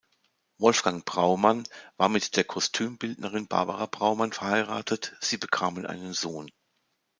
Wolfgang Braumann war mit der Kostümbildnerin Barbara Braumann verheiratet; sie bekamen einen Sohn.